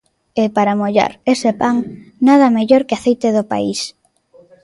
E para mollar ese pan, nada mellor que aceite do país.